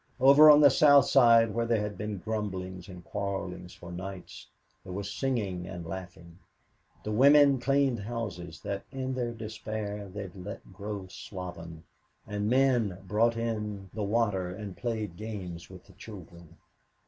Over on the South Side where there had been grumblings and quarreling for nights, there was singing and laughing. The women cleaned houses that, in their despair, they'd let grow sloven, and the men brought in the water and played games with the children.